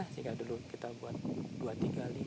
sehingga dulu kita buat dua ratus tiga puluh lima